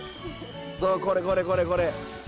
そうこれこれこれ。